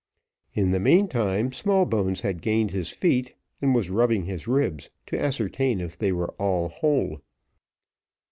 In the meantime Smallbones had gained his feet, and was rubbing his ribs, to ascertain if they were all whole.